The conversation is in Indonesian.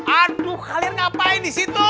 aduh halil ngapain di situ